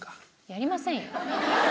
やりませんよ。